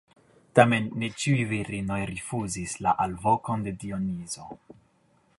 Tamen, ne ĉiuj virinoj rifuzis la alvokon de Dionizo.